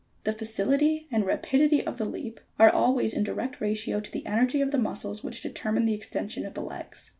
The facility and rapidity of the leap are always in direct ratio to the energy of the muscles, which determine the extension of the legs.